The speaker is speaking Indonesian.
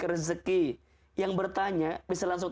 rezeki yang bertanya bisa langsung